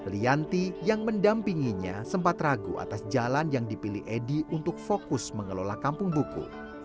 lianti yang mendampinginya sempat ragu atas jalan yang dipilih edy untuk fokus mengelola kampung buku